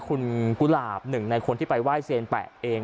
คุณกุหลาบ๑ในคนที่ไปว่ายเซียน๘เอง